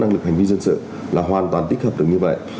năng lực hành vi dân sự là hoàn toàn tích hợp được như vậy